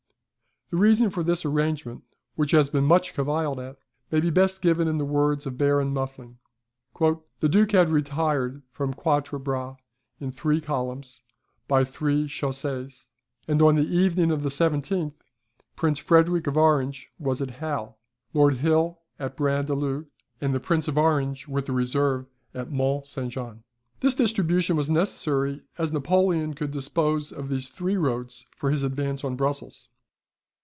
The reason for this arrangement (which has been much cavilled at), may be best given in the words of Baron Muffling: "The Duke had retired from Quatre Bras in three columns, by three chaussees; and on the evening of the 17th, Prince Frederick of Orange was at Hal, Lord Hill at Braine la Leud, and the Prince of Orange with the reserve, at Mont St. Jean. This distribution was necessary, as Napoleon could dispose of these three roads for his advance on Brussels.